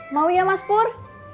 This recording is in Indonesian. mau ya mas pur